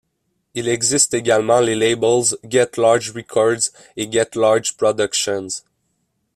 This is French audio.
Il existe également les labels Get Large Recordz et Get Large Productions.